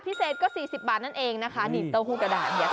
พิเศษก็๔๐บาทนั่นเองนะคะนี่เต้าหู้กระดาษเนี่ย